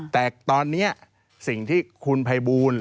แต่ตอนนี้สิ่งที่คุณภัยบูล